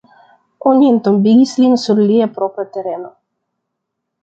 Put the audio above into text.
Oni entombigis lin sur lia propra tereno.